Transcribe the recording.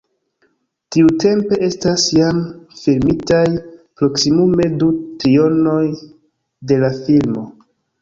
Tiutempe estas jam filmitaj proksimume du trionoj de la filmo.